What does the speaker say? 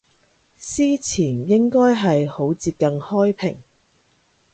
司前應該係好接近開平